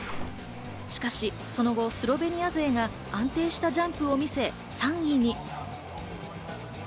しかし、その後スロベニア勢が安定したジャンプを見せ、３位に。